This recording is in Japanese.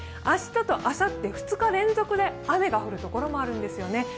明日とあさって、２日連続で雨が降るところもあるんですね。